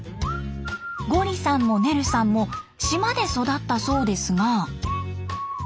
ゴリさんもねるさんも島で育ったそうですが。